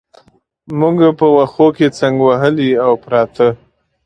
موږ په وښو کې څنګ وهلي او پراته.